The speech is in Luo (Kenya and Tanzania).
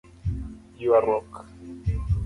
Yuaruok;